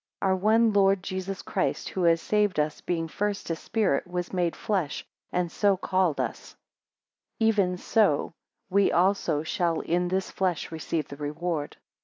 Our one Lord Jesus Christ, who has saved us, being first a spirit, was made flesh, and so called us; even so we also shall in this flesh receive the reward.